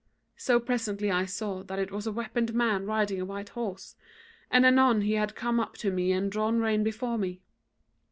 So presently I saw that it was a weaponed man riding a white horse, and anon he had come up to me and drawn rein before me.